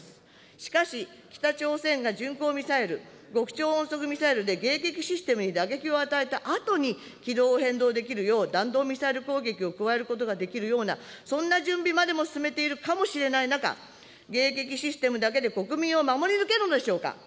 しかし、北朝鮮が巡航ミサイル、極超音速ミサイルで、迎撃システムに打撃を与えたあとに、軌道を変動できるよう弾道ミサイル攻撃を加えることができるような、そんな準備までも進めているかもしれない中、迎撃システムだけで国民を守り抜けるのでしょうか。